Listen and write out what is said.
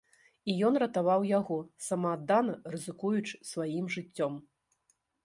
І ён ратаваў яго, самааддана рызыкуючы сваім жыццём.